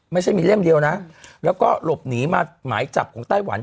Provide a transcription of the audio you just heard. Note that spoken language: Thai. ไม่ใช่มีเล่มเดียวนะแล้วก็หลบหนีมาหมายจับของไต้หวัน